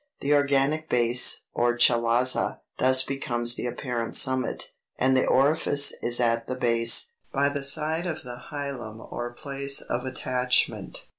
The organic base, or chalaza, thus becomes the apparent summit, and the orifice is at the base, by the side of the hilum or place of attachment.